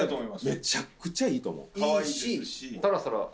めちゃくちゃいいと思う。